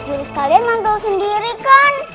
jurus kalian mantul sendiri kan